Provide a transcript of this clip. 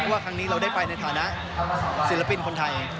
ว่าครั้งนี้เราได้ไปในฐานะศิลปินคนไทย